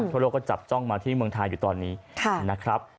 ทั่วโลกก็จับจ้องมาที่เมืองไทยอยู่ตอนนี้นะครับ